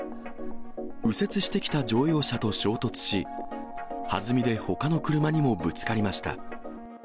右折してきた乗用車と衝突し、はずみでほかの車にもぶつかりました。